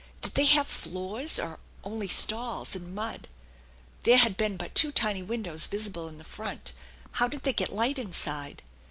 Did they have floors, or only stalls and mud? There had been but two tiny windows visible in the front ; how did they get light inside